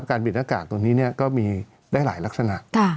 การปิดหน้ากากตรงนี้ก็มีได้หลายลักษณะ